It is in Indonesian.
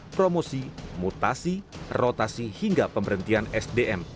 promosi mutasi rotasi hingga pemberhentian sdm